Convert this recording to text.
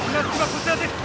こちらです